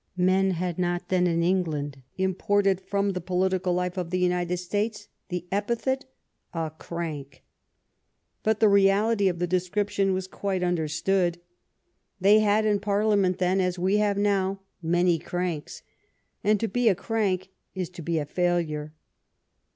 Men had not then in Eng land imported from the political life of the United States the epithet " a crank." But the reality of the description was quite understood. They had in Parliament then, as we have now, many cranks ; and to be a crank is to be a failure.